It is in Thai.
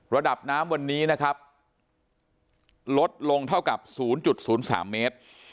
ระดับน้ำวันนี้นะครับลดลงเท่ากับ๐๐๓เมตร